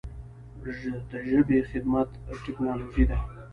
د ژبې خدمت ټکنالوژي ده.